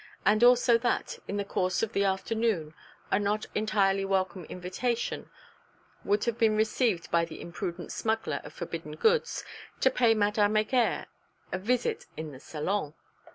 And also that, in the course of the afternoon, a not entirely welcome invitation would have been received by the imprudent smuggler of forbidden goods to pay Madame Heger a visit in the Salon?